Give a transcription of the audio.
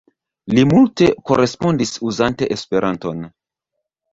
Li multe korespondis uzante Esperanton.